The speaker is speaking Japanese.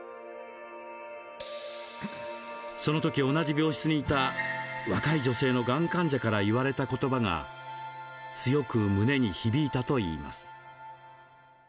その時、同じ病室にいた若い女性のがん患者から言われた言葉が強く胸に響いたといいます。